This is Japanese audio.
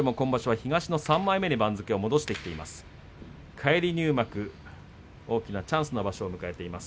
東の３枚目に番付を戻してきています。